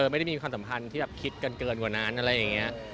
ไม่ได้มีความสัมพันธ์ที่แบบคิดกันเกินกว่านั้นอะไรอย่างนี้